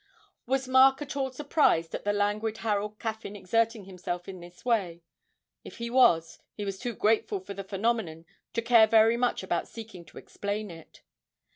Was Mark at all surprised at the languid Harold Caffyn exerting himself in this way? If he was, he was too grateful for the phenomenon to care very much about seeking to explain it.